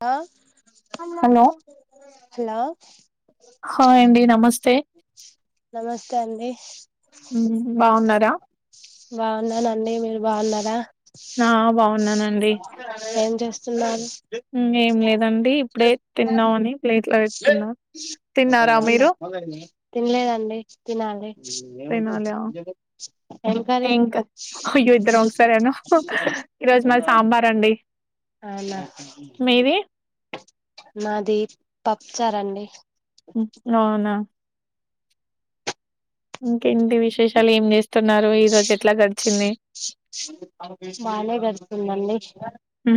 ఆ hello hello hi అండి నమస్తే నమస్తే అండి ఉమ్, బాగున్నారా బావున్నానండి మీరు బావున్నారా నా బావున్నానండి ఏం చేస్తున్నారు ఉమ్ ఏం లేదండి ఇప్పుడే తిందామని ప్లేట్ తినలేదండి తినాలి తినాలి హా ఏం కర్రీ అయ్యో ఇద్దరం ఒకసారేను ఈరోజు మాది సాంబార్ అండి అవున మీది మాది పప్పుచారండి అవునా ఇం ఏంటి విశేషాలు ఏం చేస్తున్నారూ ఈ రోజు ఎట్లా గడిచింది బానే గడుతుందండి హ్మ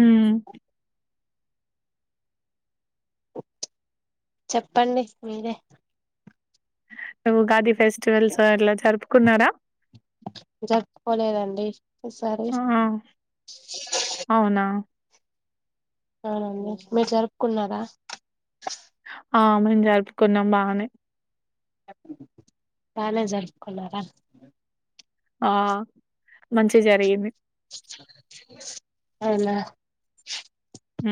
చెప్పండి మీరే గాడ్ గిఫ్ట్ ఫెస్టివల్స్ ఆల్రెడీ సరి కున్నారా జరుపుకోలేదండి ఈసారి ఆ అవునా అవునండి మీరు జరుపుకున్నారా ఆ మేం జరుపుకున్నాం బానే బానే జరుపుకున్నారా ఆ మంచి జరిగింది అవునా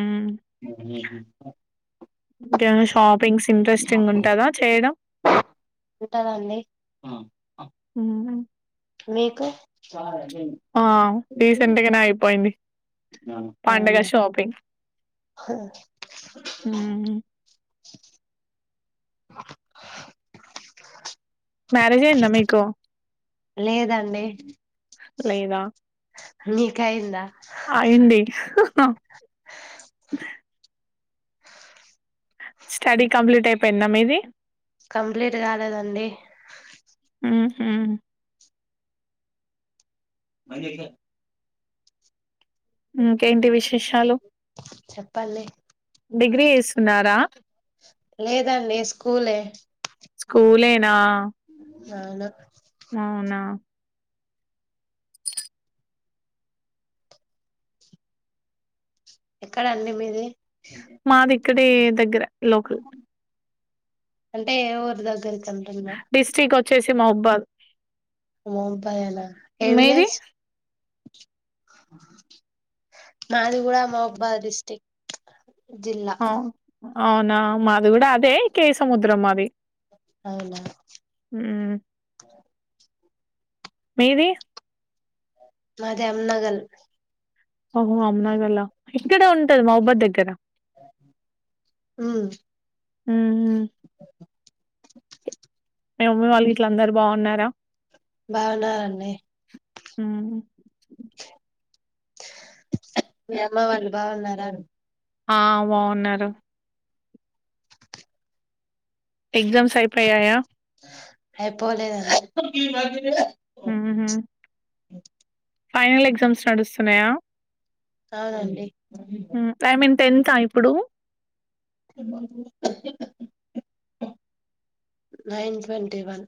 ఉమ్. [unintelligible] ఇంకేమన షాప్ పింగ్స్ ఇంట్రెస్టింగ్ ఉంటదా చేయడం ఉంటదండి ఉఉ మీకు ఆ రీసెంట్గానే అయిపోయింది పండగ అవున షాపింగ్ [unintelligible] హ్మ్ మ్యారేజ్ అయిందా [unintelligible] మీకు లేదండి లేదా మీకయిందా అయ్యింది [unintelligible] స్టడీ కంప్లీట్ అయిపోయింద మీది కంప్లీట్ కాలేదండి ఉ హ్మ్ [unintelligible] ఇంకేంటి విశేషాలు చెప్పండి డిగ్రీ చేస్తూన్నారా లేదండి స్కూలే నా అవును అవునా ఎక్కడ అండి మీది మాది ఇక్కడే దగ్గర లోకల్ అంటే ఎ ఊర్ దగ్గర్క్ అంటున్నా మొహబ్బాద్ మోహన్బాద్ ఎ నా ఏ మీది విలేజ్ నాది కూడా మోహబ్బాద్ డిస్ట్రీక్ట్ జిల్లా అవు అవునా మాది కూడా అదే కే సముద్రం మాది అవునా హ్మ్ మీది మాది అమ్నగల్ ఒహో అమ్నగల్ళ ఇక్కడే ఉంటది మోహన్బాద్ దగ్గర హు హ హు మే మమ్మీ వాళ్ళు ఇంట్లో అందరు బాగున్నారా బాగున్నారండి హు మీ అమ్మ వాళ్ళు బాగున్నారా ఆ బాగున్నారు ఎగ్జామ్స్ అయిపోయాయా అయిపోలేదు ఉహు హు ఫైనల్ ఎగ్జామ్స్ నడుస్తున్నాయా అవునండి టెంతా ఇప్పుడు నైన్ ట్వంటీ వన్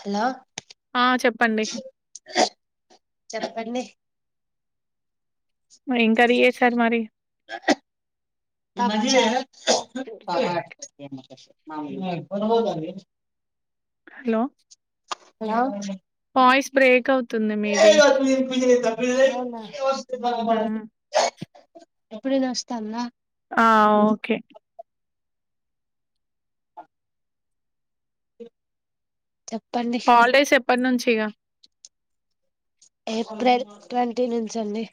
హలో ఆ చెప్పండి చెప్పండి ఇంకాది ఏ సార్ మరి మది కాడ్ కొండపోత అంది హలో హలో వాయిస్ బ్రేక్ అవుతు హ్మ్ అప్పుడే నస్థానందా ఆ ఓకే చెప్పండి హాలిడేస్ ఎప్పటి నుంచి ఇక ఏప్రిల్ ట్వంటీ నుంచి అండి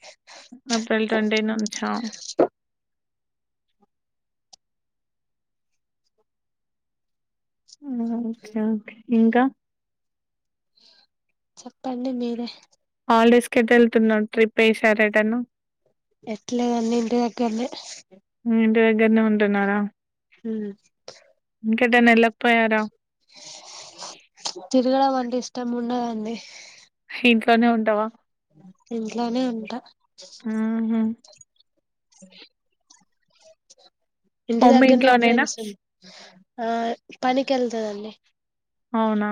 ఏప్రిల్ ట్వంటీ నుంచ హ ఆ చెప్ ఇంకా చెప్పండి మీరే హాలిడేస్ కి ఎటు వెళ్తున్నావు ట్రిప్ ఏసారఎటైన ఎట్లా అన్నీ ఇంటి దగ్గరనే మీ ఇంటి దగ్గర నే ఉంటున్నారా హు ఉ ఇంకేటన్న వెళ్ళక తిరుగడం అండి ఇష్టం ఉండదండి ఇంట్లోనే ఉంటావా ఇంట్లోనే ఉంటా మ్మ్ హ్మ్ అ ఇంటి మమ్మీ దగ్గరనే ఇంట్లోనేనా? ఫ్రెండ్స్ ఆ పనికి వెళ్తుందండి అవునా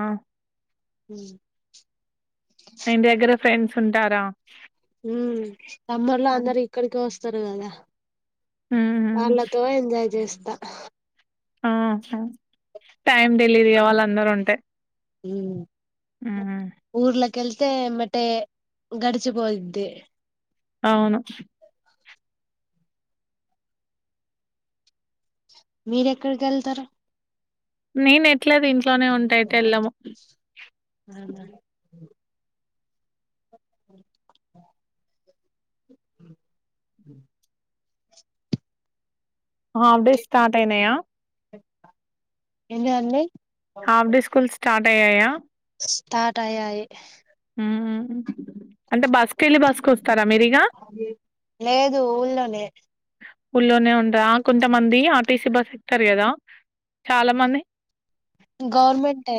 అ ఇంటి దగ్గర ఫ్రెండ్స్ ఉంటారా మ్మ్ సమ్మర్ లో హ్మ్. అందరు ఇక్కడికి వస్తారు రుకథ హుహు. చాల త ఎంజాయ చేస్త ద ఆ టైమ్ డెలివీ వాళ్ళు అందరుూ ఉంటే మ్మ్ హ్మ్. ఊర్లక్ష కల్సే మట్టే గడచపోయిది అవును మీర ఎక్కడికి వెళ్తారా మేం ఇట్లా ద ఇంట్లోనే ఉంటా ఎటు వెళ్ళము అవునా అప్పుడే స్టార్ట్ అయినాయా ఎ అన్నడి హాఫ్ డే స్కూల్స్ స్టార్ట్ అయ్యాయా స్టార్ట్యయి హ్మ్. అంటే బస్కు వెళ్ళి బసుకు వస్తారా మీరు ఇగ లేదు ఊళ్ళోనే ఊళ్లోనే ఉండరాా కొంతమంది ఆర్టీసీ బస్ ఎక్కుతారు కదా చాలా మంది గవర్నమెంట్ ఏ